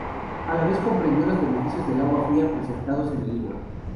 A la vez comprendió los beneficios del agua fría presentados en el libro.